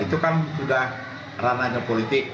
itu kan sudah ranahnya politik